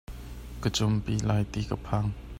Ka cumpi lai ti ka phang.